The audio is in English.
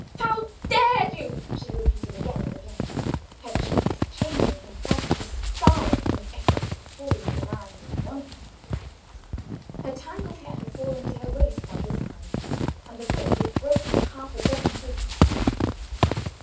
"How dared you!" she repeated again and again, her cheeks changing from white to scarlet in the effort to hold the man with one hand. Her tangled hair had fallen to her waist by this time, and the whip was broken in half a dozen places.